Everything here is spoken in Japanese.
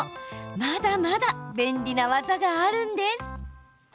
まだまだ便利な技があるんです。